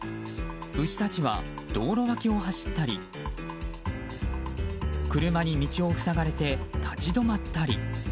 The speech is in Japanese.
牛たちは、道路脇を走ったり車に道を塞がれて立ち止まったり。